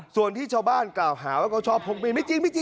ส่วนที่เชาะบ้านกล่าวหาว่าก็ชอบพกเมีย